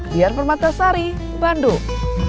dian permatasari bandung